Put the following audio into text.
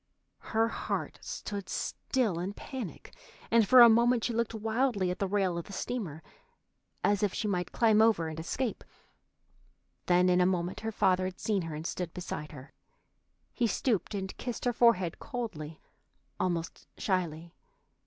Her heart stood still in panic, and for a moment she looked wildly at the rail of the steamer, as if she might climb over and escape. Then in a moment her father had seen her and stood beside her. He stooped and kissed her forehead coldly, almost shyly.